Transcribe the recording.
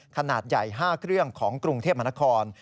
ขนาดใหญ่๕เครื่องของกรุงเทพมนคร